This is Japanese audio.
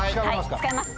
使います。